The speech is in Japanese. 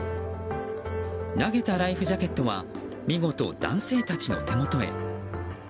投げたライフジャケットは見事、男性たちの手元へ。